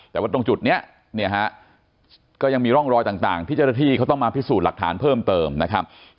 แต่ว่าตรงจุดนี้เนี่ยฮะก็ยังมีร่องรอยต่างที่เจ้าหน้าที่เขาต้องมาพิสูจน์หลักฐานเพิ่มเติมนะครับ